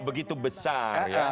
begitu besar ya